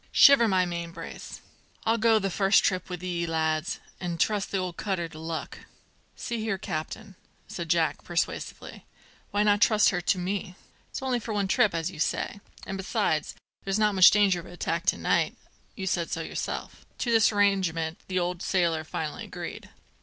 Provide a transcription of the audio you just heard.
"Shiver my mainbrace! I'll go the first trip with ye, lads, an' trust the old cutter to luck." "See here, captain," said Jack persuasively "why not trust her to me? It's for only one trip, as you say; and besides, there's not much danger of an attack to night. You said so yourself." To this arrangement the old sailor finally agreed.